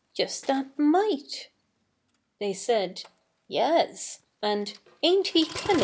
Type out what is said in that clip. Just that mite!" They said, "Yes," and, "Ain't he cunnin'?"